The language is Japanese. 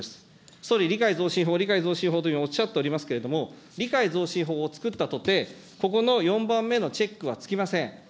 総理、理解増進法、理解増進法というふうにおっしゃっておりますけれども、理解増進法を作ったとて、ここの４番目のチェックはつきません。